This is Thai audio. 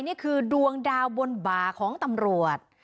นี่คือดวงดาวบนบ่าของตำรวจ